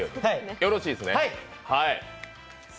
よろしいですね？